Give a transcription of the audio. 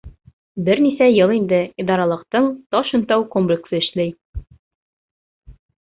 Бер нисә йыл инде идаралыҡтың таш онтау комплексы эшләй.